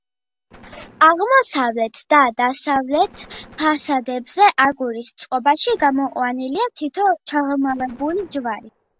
აღმოსავლეთ და დასავლეთ ფასადებზე აგურის წყობაში გამოყვანილია თითო ჩაღრმავებული ჯვარი.